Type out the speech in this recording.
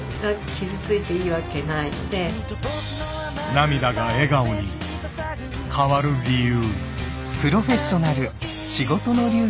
涙が笑顔に変わる理由。